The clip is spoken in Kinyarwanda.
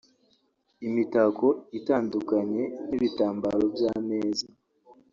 imitako itandukanye nk’ibitambaro by’ameza